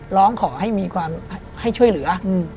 ร้องขอให้มีความให้ช่วยเหลือ